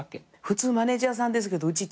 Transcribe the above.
普通マネジャーさんですけどうち